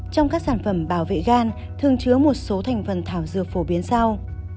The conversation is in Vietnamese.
trong các sản phẩm bảo vệ gan thường chứa một số thành phần thảo dược phổ biến sau